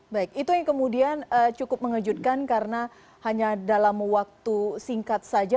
baik itu yang kemudian cukup mengejutkan karena hanya dalam waktu singkat saja